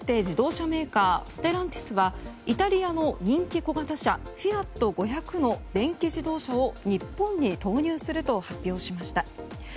自動車メーカーステランティスはイタリアの人気小型車フィアット５００の電気自動車を日本に投入すると発表しました。